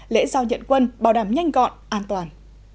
lễ giao nhận quân bảo đảm nhanh gọn an toàn